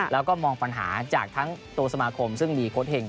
แล้วก็มองปัญหาจากทั้งตัวสมาคมซึ่งมีโค้ดเห็ง